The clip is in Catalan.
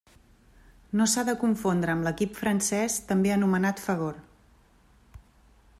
No s'ha de confondre amb l'equip francès també anomenat Fagor.